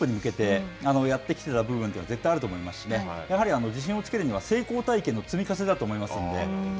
本当にこのワールドカップに向けてやってきた部分というのは、絶対あると思いますし、やはり、自信をつけるには成功体験の積み重ねだと思いますので。